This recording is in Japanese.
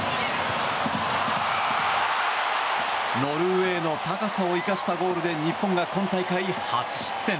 ノルウェーの高さを生かしたゴールで日本が今大会初失点。